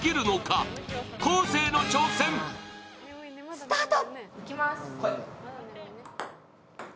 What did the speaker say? スタート！